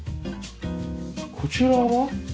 こちらは？